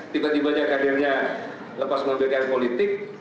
tiba tibanya kadernya lepas pembayaran politik